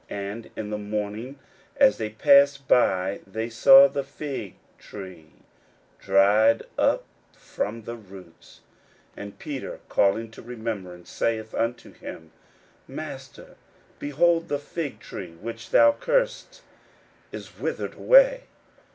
41:011:020 And in the morning, as they passed by, they saw the fig tree dried up from the roots. 41:011:021 And Peter calling to remembrance saith unto him, Master, behold, the fig tree which thou cursedst is withered away.